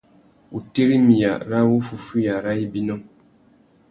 Wutirimiya râ wuffúffüiya râ ibinô.